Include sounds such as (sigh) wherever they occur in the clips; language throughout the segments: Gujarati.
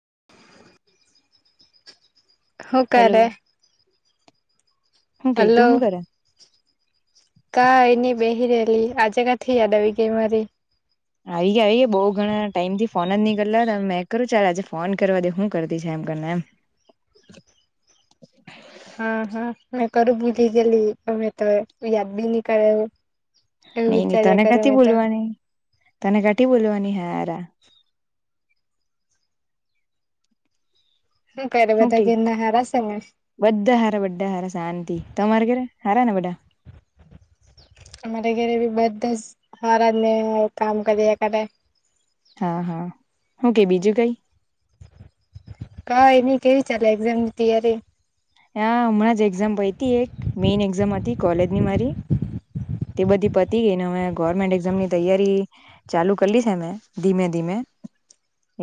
(inaudible) હ હલો ક્યારેે? હું ગઈ તો હું કરે કા એની બેહી રહેલી આજે કથી યાદ આવી ગઈ મારી આવી આવી બહ ઘણા ટાઈમ થી ફોન જ નીકળ્યા હતા મેં કરું ચાલ આજે ફોન કરવા દે હું કરતી છે. ક (inaudible) હા હા મેં કરું ભૂલી ગયેલી અમે તો યાદ બી નહી કરેલું નઈ, નઈ, તને કાથી બોલવાની, તને કાથી બોલવાની હારા હ કરરે હું બધા કઈ ઘરના હારે બધા હારા બધા હારા શાંતિ તમારે ઘરે હારા ને બધા અમારે ઘરે બી બધા જ સારને કામ કરીએક્યારે હા, હા, હું કે બીજું કઈ ક એની કેવી ચાલે એક્ઝામની તૈયારી હા હમણાં જ એક્ઝામ પતી એક મેઈન એક્ઝામ હતી, કોલેજની મારી તે બધી પતી ગઈ ને અમે ગવર્મેન્ટ એઝામની તૈયારી ચાલુ કરેલી છે. મે ધીમે ધીમે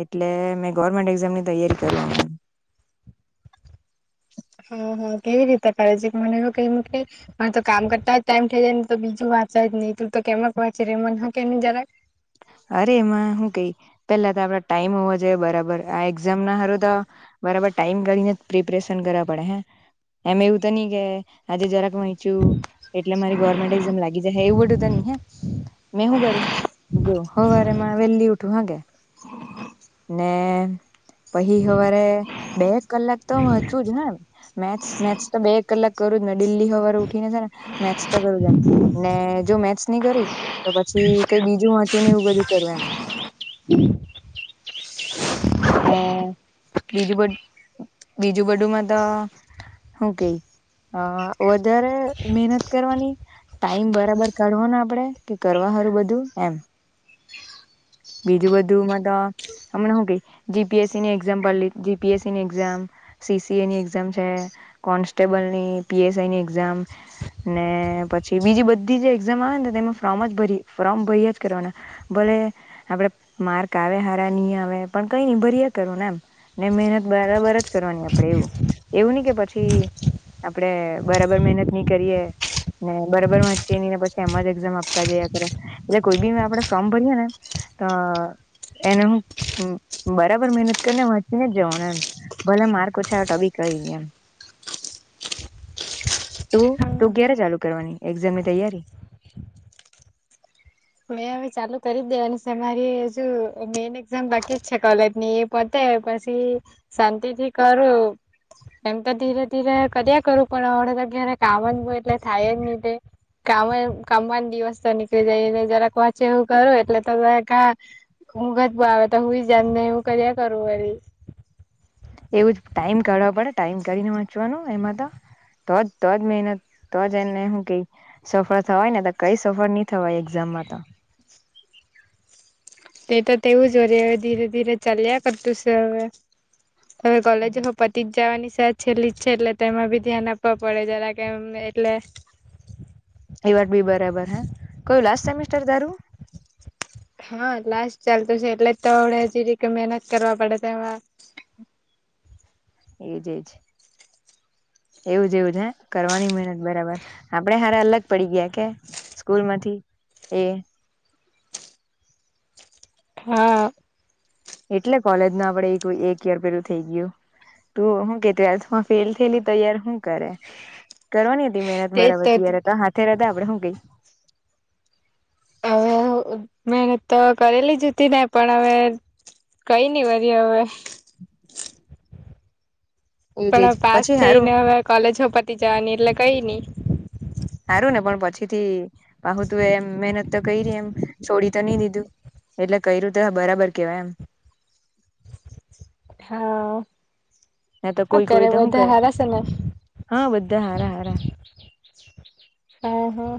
એટલે મે ગવર્મેન્ટ એક્ઝામ ની તૈયારી કરી એમ (inaudible) હા, હા કેવી રીતે કરે જીરિક મને હો કઈ મૂકની, માર તો કામ કરતા જ ટાઈમ થઇ જાય ને તો બીજું વાત સાચ જ નહી તું તો કેમાં કો છે. રેમન હ કેની જરા અરે એમાં શું કઈ પેલા તો આપડા ટાઈમ હોવા જોઈએ બરાબર આ એક્ઝામ ના હારુ તો બરાબર ટાઈમ કાઢીને જ પ્રિપરેશન કરવા પડે હે. આમાં એવું તો ની કેહે આજે જરાક વાંચ્યું, એટલે મારી ગવર્મેન્ટ એક્ઝામ લાગી જહેએવું બધું તો નહી હ મે હું કરું જો, હવારે માં વેહેલી ઉઠું, હા ગે ને પહી હવારે બે કલાક તો હા જ ને મેથ્સ મેથ્સ તો બે એક કલાક કરું જ ને દિલ્હી સવારે ને મેથસ તો કરું જેમ ને જો મેથસ નની કરું તો પછી કઈ બીજું એવું બધું કરવું એમ હમ. બીજું બીજું બધું માં તો હું કેઈ વધારે મહેનત કરવાની ટાઈમ બરાબર કાઢવો ને આપડે કે કરવા હારું બધું એમ બીજું બધુંમાં તો હમણા હુ કેય જીપીએસસી ની એક્ઝામ પર લી જીપીએસસી ની એક્ઝામ સીસી એ ની એક્ઝામ છે. કોન્સ્ટેબલ ની પીએસઆઈની એક્ઝામ ને પછી બીજી બધી જે એક્ઝામ આવે ને તેમાં ફોર્મ જ ભરી ફોર્મ ભર્યા જ કરવાના ભ (inaudible) આપડે માર્ક આવે હાર ની આવે પણ કઈ ની ભરિયા કરવાનું નએમ ને મહેનત બરાબર જ કરવા આપેણે એવું એવું નહી કે પછી આપડે બરાબર મહેનત નઈ કરીએ ને બરોબર વાંચીએ ની ને પછી એમ જ એક્ઝામ આપવા જીયા કરે એટલે કોઈ બી મે આપણે ફોર્મ ભરએ ને ત એને હું બરાબર મહેનત કરીને વાંચીને જ જવાનું એમ‌ ભલે માર્ક્ ઓછા આવે તો બી કય પહીં એમ. તું હા તું ક્યારે હા ચાલુ કરવાની એક્ઝામની તૈયારી? (inaudible) મેં હવે ચાલુ કરી દેવાની છે મારી હજુ મેન એક્ઝામ બાકી જ છે કોલેજ ની એ પતે પછી શાંતિ થી કરું એમ તો ધીરે ધીરે કર્યા કરું પણ અત્યારે કામ જ બો એટલે થાય જ ની તે કામ કામમાં જ દિવસ તો નીકળી જાય જરાક વાચે એવું કરું એટલે તો કા ઊંઘ જ બ આવે તો હુંઈ જામ ને એવું કર્યા કરું વરી. એવું જ ટાઈમ કાડવા પડે, ટાઈમ કાડીને વાચવાનું એમાં તો તોજ તોજ મેહનત તો જ એને હું કઈ, સફળ થવાય ને તો કઈ સફળ નહી થવાય એક્ઝામ માં તો તે તો તેવું જ વરી હવે ધીરે ધીરે ચાલ્યા કરતું છે હવે. તમે કોલેજે નું પતી જ જાવાની સે આ છેલ્લી જ છે એટલે તેમાં બી ધ્યાન આપવા પડે જરાક એમ એટલે. એ વાત બી બરાબર હે, કયું લાસ્ટ સેમિસ્ટર તારું? હા લાસ્ટ ચાલતું છે એટલે જ તો હમડે જીરીક મેહનત કરવા પડે તેમાં હ એજ એજ. એવું જ એવું જ હે, કરવાની મહેનત બરાબર. આપડે હારા અલગ પડી ગ્યા કે સ્કૂલમાંથી? એ હા. એટલે કોલેજ ના આપડે એક યર પેલું થઈ ગ્યું. તું હું કે ટ્વેલ્થમાં ફેલ થયેલી તૈયાર હું કરે? કરવાની હતી મહેનત બરાબર તીયારે તો હાથે રેહતા આપણે હું કેય હવે મહેનત તો કરેલી જતી ને પણ હવે કઈ ને વરી હવે (inaudible) એજ એજ પણ પાસ પછી હારું થઈને હવે કોલેજો પતી જવાની એટલે કઈ નઈ સારું ને પણ પછી થી બાહુ તું એમ મહેનત તો કરી ર એમ છોડી તો નહી દીધું એટલે ક્યું તો બરાબર કેવાય એમ હા ના તો શું કોઈ કોઈ તો હું બધા કરે હારા છે ને હા બધા હારા હારા હા હા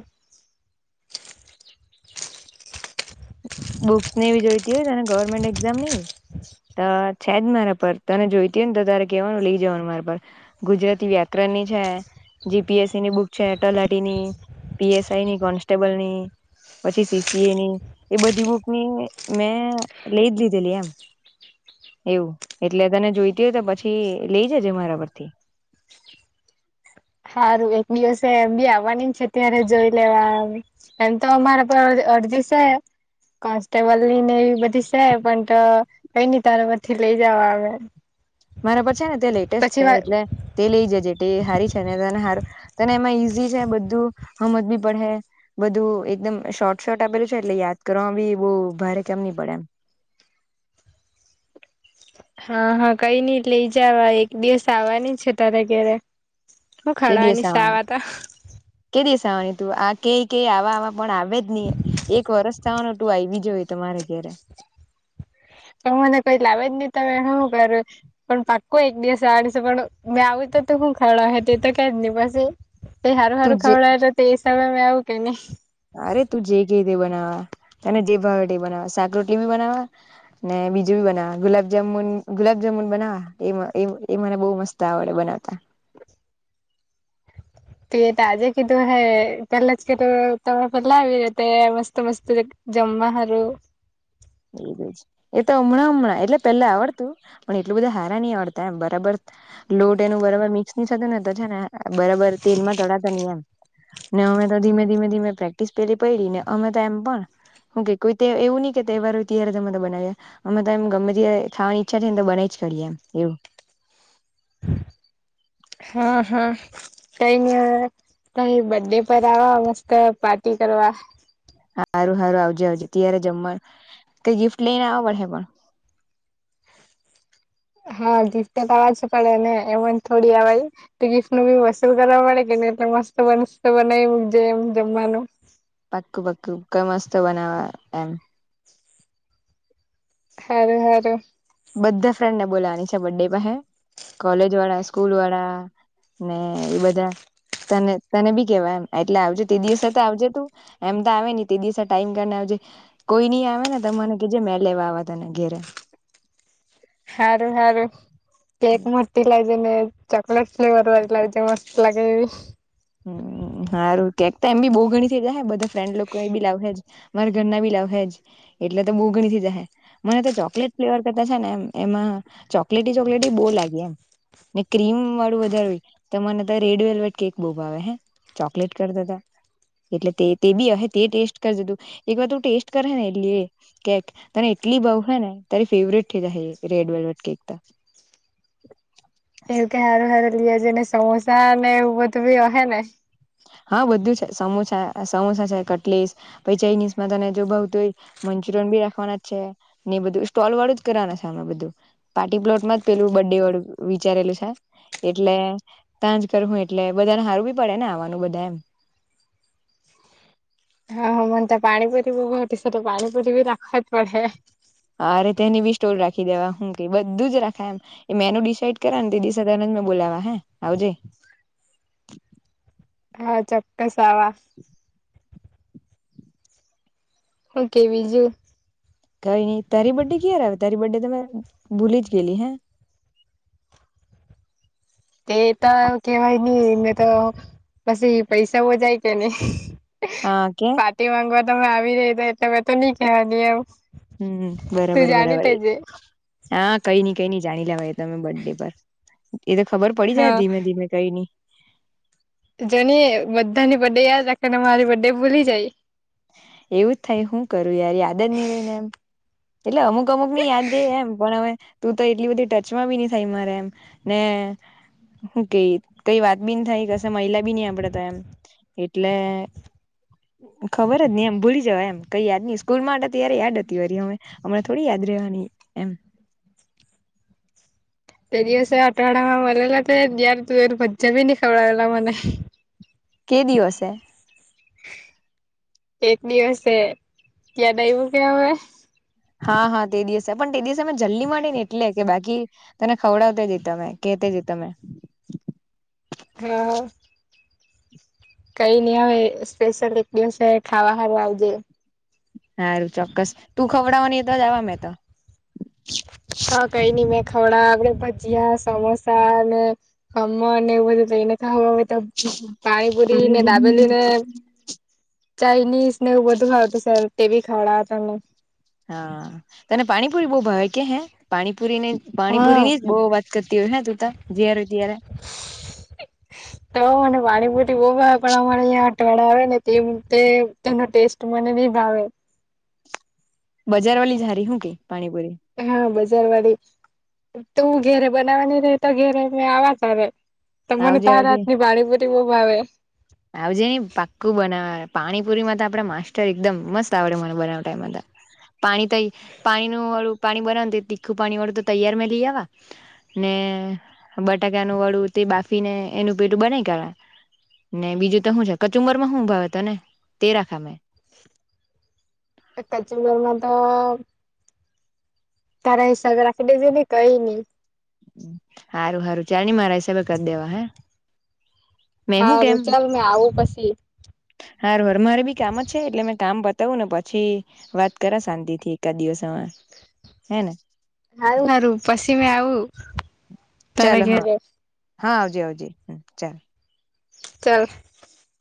બુક્સ ને બી જોઈતી હોયને ગવર્મેન્ટ એક્ઝામ ની તો છે જ મારા પર તને જોઈતી હોય ને તો તારે કેવાનું લઈ જવાનું મારા પર ગુજરાતી વ્યાકરણ ની છે જી પી એસ સી ની બુક છે ટલાટી ની પી એસ આઈ ની કોન્સ્ટેબલ ની પછી સી સી એની એ બધી બુક ની મેં લઈ જ લીધેલી એમ એવું એટલે તને જોઈતી હોય તો પછી લઈ જજે મારા પરથી. (unintelligible) સારું એક દિવસે એમ બી આવવાની છે અત્યારે જોઈ લેવામ એમ તો અમારા પર અડધી છે કોન્સ્ટેબલ નીને એવી બધી છે પણ કઈ ન તારમાંથી લઈ જવા આવે મારા પર છે ને તે લેટેસ્ટ પછી છે વા એટલે તે લઈ જ જે હારી છે ને તને હારુ તને એમાં ઈઝી છે બધું હમજ બી પડે બધું એકદમ શોર્ટ શોર્ટ આપેલું છે એટલે યાદ કરવાવામાં બી બહ ભારે કેમ નહી પડે એમ હા હા કઈ નઈ લઈ જવા એક દિવસ આવવાની છે તારે ઘરે હું કે દિવસ ખડાવાની આવવાનું શા વાતા કે દિવસ તું આ કઈ કઈ આવામાં પણ આવે જ નહી એક વર્ષ ચાનો ટું આય બીજો હોય તમારે ઘેરે પણ મને કઈ લાવે જ નહી ત શું કર્યું પણ પાક્કો એક દિવસ આવડ છે પણ મેં આવ તો તો હું ખાડા હ તે તો ક જની પાસેે તે સારું તું સારું જે ખવડાયે તો તે એ હિસાબે અ આવું કે નહી અરે તું જે ક દે બનાવા અને જે ભાવ બનાવ શાક રોટલી બી બનાવા અનેને બીજું બી બનાવા ગુલાબજામુન ગુલાબ જુન મુન બનાવા એમને બહુ મસ્ત આવડે બનાવતા ત એ તો આજે કીધું હે પેલા જ કેધું તરે પેલા આવી રતે મસ્ત મસ્ત જમા હારું (inaudible) એ એ તો હમણાં હમણાં એટલે પેલા આવડતું પણ એટલું બધા હારા નહ આવડતા એમ બરાબર લોટ એનું બરાબર મિક્સ નની થતું ને તો છે ને બરાબર તેલમાં તળાતા નહી એમ ને અમે તો ધીમે ધીમે ધીમે પ્રેક્ટિસ પેલી પડી ને અમે તો એમ પણ હું કે કોઈ એવું નહી કે તહેવાર હોય ત્યારે અમે બનાવીએ અમે તો એમ ગમે ત્યારે ખવાનીઈચ્છા છે ને તો બનાવી જ કરીએ એવું (unintelligible) હા હા કઈ ન કઈ બર્ડે પર આવ મસ્ત પાર્ટી કરવા સારું સારું આવજે આવજે ત્યારે જમવા કઈ ગિફ્ટ લઈને આવ પડે પણ (unintelligible) હા ગિફ્ટટવાજ પડે ને એમને થોડી આવાય તો ગિફ્ટ નું બી વસૂલ કરવા પડે કે એટલે મસ્ત બ બના જે એમ જમવાનું પક્કું પક્કું મસ્ત બનાવા એમ હારે હારે બધા ફ્રેન્ડ ને બોલવાની છે બર્ ડે પર હે કોલેજ વાળા સ્કૂલ વાળા ને એ બધા તને તને બી કેવાય એમ એટલે આવજે તે દિવસે તો આવજે તું એમ તો આવે ને તે દિવસે ટાઈમ કાઢી ને જે કોઈ ની આવે ને તને કે જે મે લેવા તને ઘેરે હારું હારું કેક મોટી લા એટલે મે ચોકલૅટ ફ્લેવર વારી લાવી જે મસ્ત લાગે એવી. હમ્મ સારું કક એમ બી બહુ ઘણી થઇ જાય હ બધા ફ્રેન્ડ લોકો બી લાવે મારા ઘરના બી લ લાવે જએટલે તો બો ગણી થઇ જાહે મને તો ચોકલેટ ફ્લેવર કરતા છે ને એમાં ચોકી ચોકલૅટી ચોકલૅટી બો લાગી ને ક્રીમ વાળું વધાર મને રેડ વેવેટ કેક બો ભાવે હે ચોકલેટ કરતા તો એટલે તે બી હહે તે ટેસ્ટ કરજે તું એક વાર ટેસ્ટ કરે ને એટ કેક એટલી ભાવેહે ને તારી ફેવરેટ થઇ જાહે રેડ વેલ્વટ કેક તો. એવું કે હારું હારું લજ ને સમોસા ને એવું બ તો બી હ ને? હા બધું છે સમોસા સમોસા છે કટલીસ પછ ચઇનીઝમાં તને જો ભાવતું હોય (unintelligible) રાખવાના છે ને બધું સ્ટોલ વાળું જ કરવાના છેમે બધું પાર્ટી પ્લોટમાં જ પેલું બે વિચારેલું છે એટલે તાંજ કર હું એટલે બધાને હારું બી પડે ને આવાનું બધા એમ હ મને ત પાણી પુર ઘટી છે તો પાણી પુરી રાખવા જ પડે. અરે તેને બી સ્ટોલ રાખી દેવા હું કઈ બધું જ રાખાય એમ મેનું ડિસાઈડ કરા ને તે દિવ સે બોલાવા હે આવજે હા ચોક્કશ આવા. હું કેય બીજું? કઈ નઈ તારી બડે ક્યારે આવે તારી બડે તો મે ભૂલી જ ગયેલી હે? (unintelligible) (inaudible) એ તો કેવાય નઈ એને તો પછી એ પૈસા બો જાય કે નહી. હા કે પાટી માંગવા તમે આવી આવી રે એટલે હવે તો ની ખાવા ની એમ હમ્મ તું બરાબર જાણી બરાબર. લેજે હા કઈ નઈ કઈ નઈ જાણી લેવાય તમે બર્થ ડે પર એ તો ખબર પડી જાય હા ધીમે ધીમે કઈ નઈ જોની બધાની બર્ ડે યાદ રાખે ને મારી બર્ ડે ભૂલી જાય. એવું જ થઈ શું કરું યારી આદત નહી રહીને એમ. એટલે અમુક -અમુક ની યાદ રહી એમ પણ હવે તું તો એટલી બધી ટચમાં બી નહી થાય મારે એમ ને હે હું કેઈ કઈ વાત બી ન થાય કશે મહિલા બી નહ આપડે તો એમ એટલે (unintelligible) (inaudible) ખબર જ હી એમ ભૂલી જવા એમ કઈ યાદ નહી સ્કૂલ માટે તય્યારે યાદ હતી વારી હ હમણા થોડી યાદ રહેવાની એમ (inaudible) બે દિવસે અઠવાડા માં મળેલા તો યાર તું એ ભજ્જયા બી નહી ખવડાવેલા મને. કે દિવસે એક દિવસે યાદ આઈવું કે હવે? હા હા તે દિવસે પણ તે દિવસે અમે જલ્દી માટી ને એટલે કે બાકી તને ખવડાવતા કેતે તમે હા હા. કઈ નહી હવે સ્પેશિયલ એક દિવસે ખાવા હારું આવજે. સારું ચોક્કસ તું ખવડાવવાની તો જવા મે તો. હા કઈની મે થોડા આપડે ભજીયા સમોસા અને ખમણ એવું બધું લઈને ખાવા તો પાણી પુરી કાલે ને જઈને ડાબેલી ને ચાાઈનીઝને એવું બધું ખાવતું સા તે બી ખાડા તને. હા તને પાણીપુરી બો ભાવે કે હે પાણી પુરી ની હા પાણીપુરી ની જ બહુ વાત કરતી હોય ને તુંતા જ્યારે જ્યારે તો મને વા પણ અમારે અં અઠવાડ આવે ને તેમ તેનો ટેસ્ટ મને નહ ભાવે બજાર વાળી જ ર હું કે પાણીપુરી જરવાળી તોું ઘેરે બનાવાની રે તો ઘેરે આવા ત ત મને આવજે તાર આવજે રાતની બાડી બરી બહ ભાવ આવજે પાક્કું બનાવ પાણીપુરીમાં તો આપડે માસ્ટર એકદમ મસ્ત આવડે મને બનાવવા ટાઈમમાં પાણી તોઈ પાણી નુંળું પાણી બનાવ તીખું પાણી વાળું તો તૈયારમાં લઈ આવા ને બટાકાનું વળું બાફીને એનું પેટું બનાઈ કરવા ને બીજું તો શું છે કચુબર માં હું ભાવે તો ને તે રાખા મેં કચુબર માં તો તારા હિસાબે રાખી દેજો નને કઈ નઈ હારું હારું ચારણી મારા હિસાબે કરી દેવા હે મે શું કેમ હારું ચાલ મેં આવું પછી હ હર મારે ભી કામ જ છે એટલે મે કામ તું ને પછી વાત કર શાંતિ થી એકા દિવસમાં હે ને હારું હારું પછી મે આવું તાર ચાલો હા ઘરે હા આવજે આવજે ચાલ ચાલ